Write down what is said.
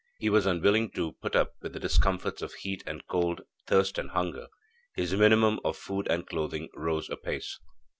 He was unwilling to put up with the discomforts of heat and cold, thirst and hunger. His minimum of food and clothing rose apace.